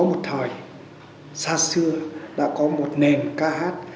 có một thời xa xưa đã có một nền ca hát